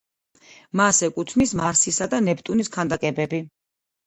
მას ეკუთვნის მარსისა და ნეპტუნის ქანდაკებები.